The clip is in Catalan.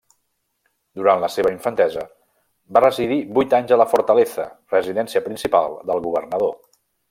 Durant la seva infantesa va residir vuit anys a la Fortaleza, residència principal del governador.